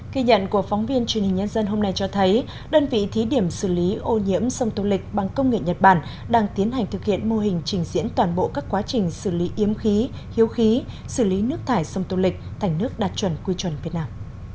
khi nhận của phóng viên truyền hình nhân dân hôm nay cho thấy đơn vị thí điểm xử lý ô nhiễm sông tô lịch bằng công nghệ nhật bản đang tiến hành thực hiện mô hình trình diễn toàn bộ các quá trình xử lý yếm khí hiếu khí xử lý nước thải sông tô lịch thành nước đạt chuẩn quy chuẩn việt nam